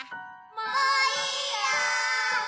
もういいよ！